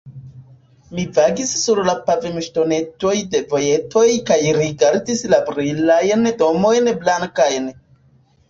Mi vagis sur la pavimŝtonetoj de vojetoj kaj rigardis la brilajn domojn blankajn.